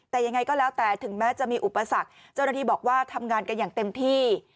แต่ยังไงก็แล้วแต่ถึงแม้จะมีอุปสรรคเจ้าหน้าที่บอกว่าทำงานกันอย่างเต็มที่